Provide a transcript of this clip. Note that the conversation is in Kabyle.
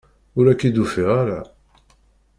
Ur ak-id-ufiɣ ara!